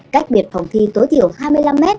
cách biệt phòng thi tối thiểu hai mươi năm m